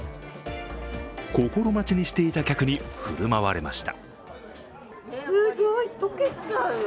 心待ちにしていた客に振る舞われました。